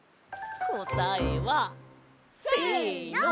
こたえは。せの！